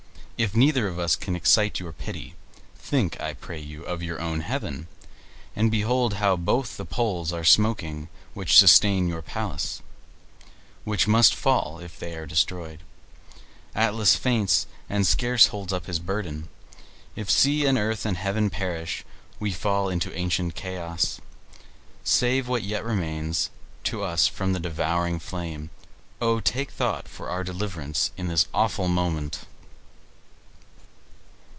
If neither of us can excite your pity, think, I pray you, of your own heaven, and behold how both the poles are smoking which sustain your palace, which must fall if they be destroyed. Atlas faints, and scarce holds up his burden. If sea, earth, and heaven perish, we fall into ancient Chaos. Save what yet remains to us from the devouring flame. O, take thought for our deliverance in this awful moment!"